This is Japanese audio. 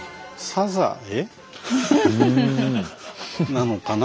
なのかな？